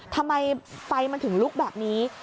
ทำไมไฟมันถึงลุกแบบนี้